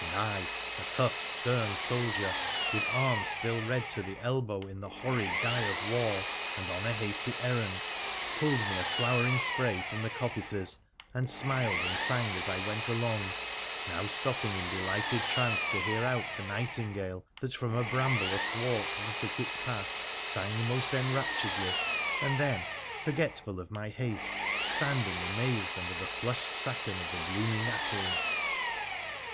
And I— a tough, stern soldier, with arms still red to the elbow in the horrid dye of war, and on a hasty errand, pulled me a flower ing spray from the coppices, and smiled and sang as I went along, now stopping in delighted trance to hear out the night ingale that, from a bramble athwart the thicket path, sang most enrapturedly, and then, forgetful of my haste, standing amazed under the flushed satin of the blooming apples.